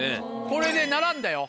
これで並んだよ